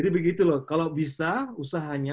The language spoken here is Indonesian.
jadi begitu loh kalau bisa usahanya